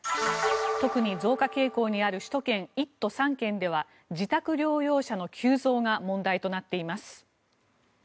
特に増加傾向にある首都圏１都３県では自宅療養者の急増が問題となっています。